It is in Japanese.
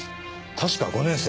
確か５年生。